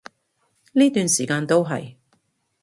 呢段時間都係